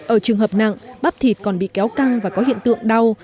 ở trường hợp nặng bắp thịt còn bị kéo căng và có hiện tượng đau